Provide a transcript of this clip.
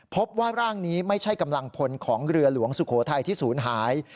พบว่าร่างนี้ไม่ใช่กำลังพลของเรือหลวงสุโขทัยที่ศูนย์หาย